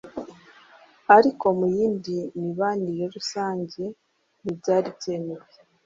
ariko mu yindi mibanire rusange ntibyari byemewe.